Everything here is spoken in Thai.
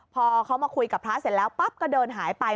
พอเขามาคุยกับพระเสร็จแล้วปั๊บก็เดินหายไป